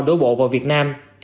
đối bộ vào việt nam